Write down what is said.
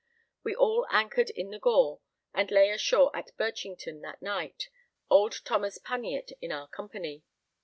We all anchored in the Gore, and lay ashore at Birchington that night, old Thomas Puniett in our company.